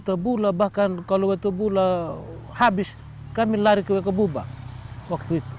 wtb bahkan kalau wtb habis kami lari ke bubak waktu itu